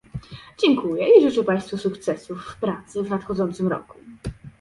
Dziękuję i życzę Państwu sukcesów w pracy w nadchodzącym roku